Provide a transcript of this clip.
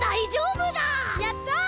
やった！